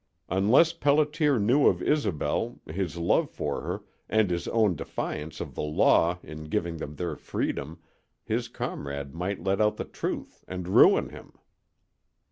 Unless Pelliter knew of Isobel, his love for her, and his own defiance of the Law in giving them their freedom, his comrade might let out the truth and ruin him.